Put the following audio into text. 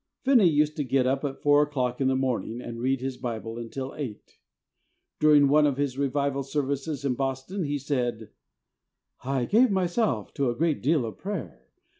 Finney used to get up at 4 o'clock in the morning and read his Bible until 8. During one of his revival services in Boston he said, "I gave myself to a great deal of prayer.